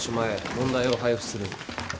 問題を配布する。